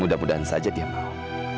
mudah mudahan saja dia mau